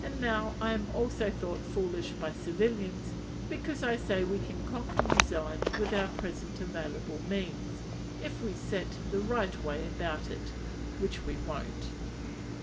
Now I am also thought foolish by civilians, because I say we can conquer New Zealand with our present available means, if we set the right way about it (which we won't).